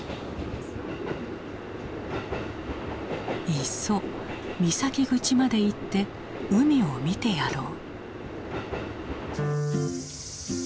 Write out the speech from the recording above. いっそ三崎口まで行って海を見てやろう。